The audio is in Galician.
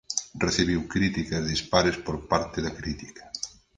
Recibiu críticas dispares por parte da crítica.